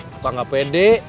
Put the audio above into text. suka gak pede